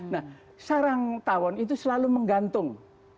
nah sarang tawon itu selalu menggantung